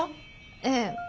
ええ。